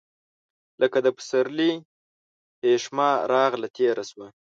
لکه د پسرلي هیښمه راغله، تیره سوه